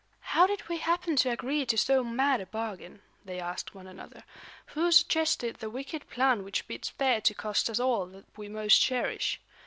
"How did we happen to agree to so mad a bargain?" they asked one another. "Who suggested the wicked plan which bids fair to cost us all that we most cherish?"